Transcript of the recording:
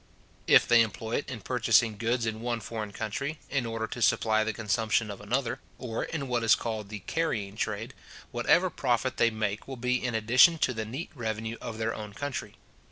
If they employ it in purchasing goods in one foreign country, in order to supply the consumption of another, or in what is called the carrying trade, whatever profit they make will be in addition to the neat revenue of their own country.